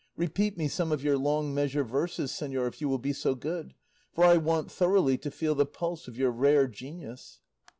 Repeat me some of your long measure verses, señor, if you will be so good, for I want thoroughly to feel the pulse of your rare genius."